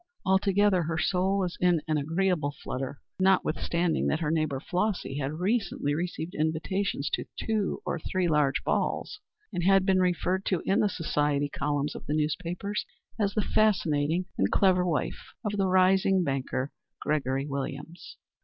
Altogether her soul was in an agreeable flutter, notwithstanding that her neighbor Flossy had recently received invitations to two or three large balls, and been referred to in the society columns of the newspapers as the fascinating and clever wife of the rising banker Gregory Williams.